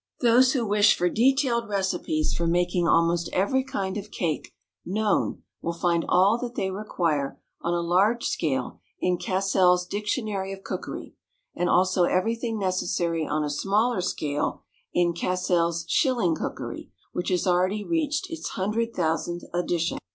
Those who wish for detailed recipes for making almost every kind of cake known will find all that they require on a large scale in "Cassell's Dictionary of Cookery," and also everything necessary on a smaller scale in "Cassell's Shilling Cookery," which has already reached its hundred thousandth edition.